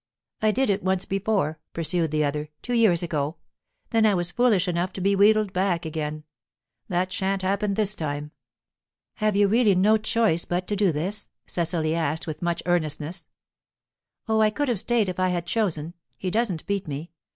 "I did it once before," pursued the other, "two years ago. Then I was foolish enough to be wheedled back again. That shan't happen this time." "Have you really no choice but to do this?" Cecily asked, with much earnestness. "Oh, I could have stayed if I had chosen. He doesn't beat me.